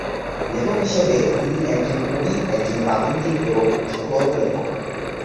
লেখক হিসেবে, তিনি একজন কবি, একজন প্রাবন্ধিক এবং ছোটগল্প লেখক।